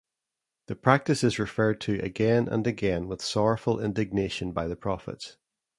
The practice is referred to again and again with sorrowful indignation by the prophets.